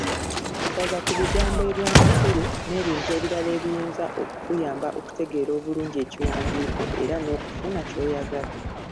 Saza ku bigambo eby’amakulu, n’ebintu ebirala ebiyinza okukuyamba okutegeera obulungi ekiwandiiko era n’okufuna ky’oyagala.